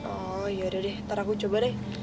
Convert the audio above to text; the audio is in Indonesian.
oh ya udah deh ntar aku coba deh